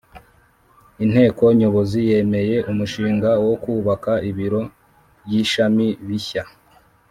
Inteko Nyobozi yemeye umushinga wo kubaka ibiro by’ishami bishya